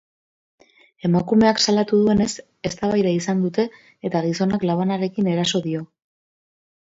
Emakumeak salatu duenez, eztabaida izan dute eta gizonak labanarekin eraso dio.